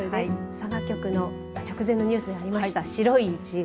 佐賀局の直前のニュースにありました、白いいちご。